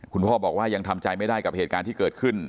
คุณพ่อบอกว่ายังทำใจไม่ได้กับเหตุการณ์ที่เกิดขึ้น